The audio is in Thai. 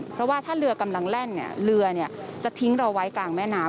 เพราะว่าถ้าเรือกำลังแล่นเนี่ยเรือจะทิ้งเราไว้กลางแม่น้ำ